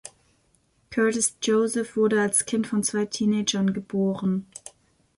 Curtis Joseph wurde als Kind von zwei Teenagern geboren.